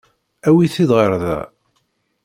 Awi-t-id ɣer da.